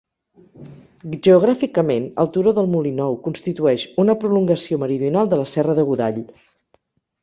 Geogràficament el Turó del Molí Nou constitueix una prolongació meridional de la Serra de Godall.